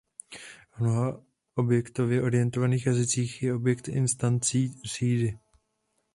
V mnoha objektově orientovaných jazycích je objekt instancí třídy.